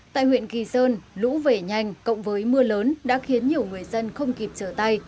tại huyện kỳ sơn lũ về nhanh cộng với mưa lớn đã khiến nhiều người dân không kịp trở tay